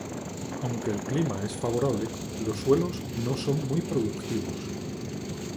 Aunque el clima es favorable, los suelos no son muy productivos.